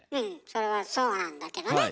それはそうなんだけどね